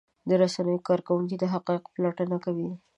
د رسنیو کارکوونکي د حقایقو پلټنه کوي.